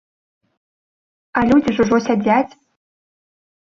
А людзі ж ўжо сядзяць.